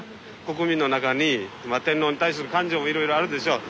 国民の中に天皇に対する感情もいろいろあるでしょう。